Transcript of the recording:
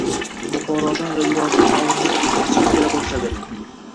Buxorodan va Iroqdan olimlar Gurganchga kela boshladilar